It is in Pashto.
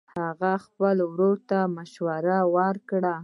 هغې خپل ورور ته مشوره ورکړه